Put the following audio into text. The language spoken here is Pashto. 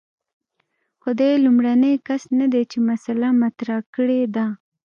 خو دی لومړنی کس نه دی چې مسأله مطرح کړې ده.